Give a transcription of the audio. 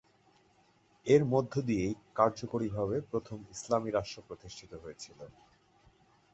এর মধ্য দিয়েই কার্যকরীভাবে প্রথম ইসলামী রাষ্ট্র প্রতিষ্ঠিত হয়েছিল।